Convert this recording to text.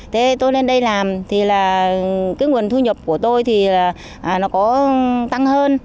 thế tôi lên đây làm thì là cái nguồn thu nhập của tôi thì nó có tăng hơn